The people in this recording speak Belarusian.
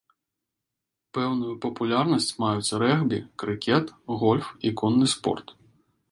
Пэўную папулярнасць маюць рэгбі, крыкет, гольф і конны спорт.